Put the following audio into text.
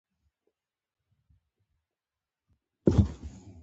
زړه کله ناکله له عقل نه مخکې پرېکړه کوي.